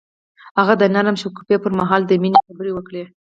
هغه د نرم شګوفه پر مهال د مینې خبرې وکړې.